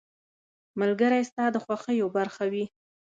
• ملګری ستا د خوښیو برخه وي.